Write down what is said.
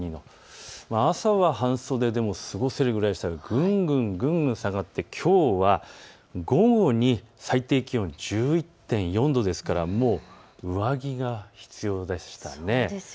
朝は半袖でも過ごせるくらいでしたがぐんぐん下がって、きょうは午後に最低気温１１．４度ですからもう上着が必要でしたね。